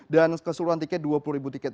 dan keseluruhan tiket dua puluh tiket